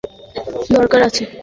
আমার মনে হয় না এটার কোনো দরকার আছে।